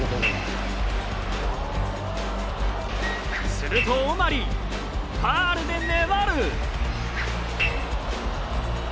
するとオマリーファールで粘る。